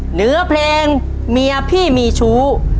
เหนือเพลงเมียพี่มีชู้